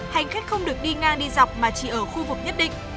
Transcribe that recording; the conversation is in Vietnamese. hành khách không được đi ngang đi dọc mà chỉ ở khu vực nhất định